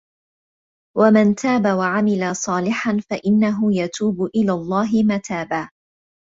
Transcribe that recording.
وَمَن تابَ وَعَمِلَ صالِحًا فَإِنَّهُ يَتوبُ إِلَى اللَّهِ مَتابًا